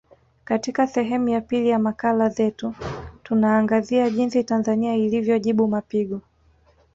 Katika sehemu ya pili ya makala zetu tunaangazia jinsi Tanzania ilivyojibu mapigo